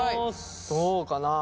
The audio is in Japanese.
どうかなあ。